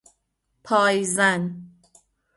پایزن